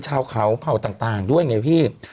ชาวเขาเผ่าต่างด้วยไงพี่